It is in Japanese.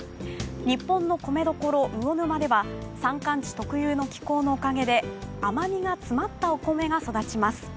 日本の米どころ、魚沼では山間地特有の気候のおかげで甘みが詰まったお米が育ちます。